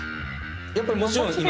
やっぱりもちろん今。